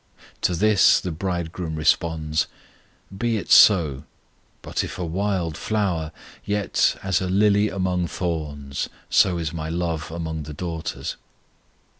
To this the Bridegroom responds: "Be it so; but if a wild flower, yet As a lily among thorns, So is My love among the daughters.